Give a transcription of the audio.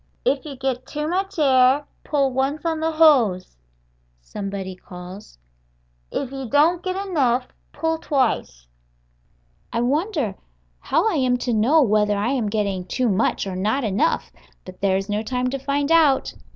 "If you get too much air, pull once on the hose," somebody calls; "if you don't get enough, pull twice." I wonder how I am to know whether I am getting too much or not enough, but there is no time to find out.